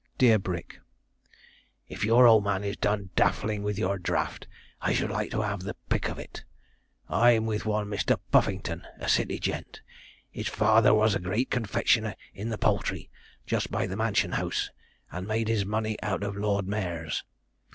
'DEAR BRICK, 'If your old man is done daffling with your draft, I should like to have the pick of it. I'm with one Mr. Puffington, a city gent. His father was a great confectioner in the Poultry, just by the Mansion House, and made his money out of Lord Mares.